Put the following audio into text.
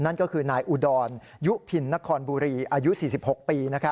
นั่นก็คือนายอุดรยุพินนครบุรีอายุ๔๖ปี